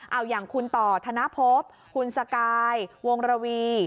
เอาอย่างคุณต่อธนภพคุณสกายวงระวี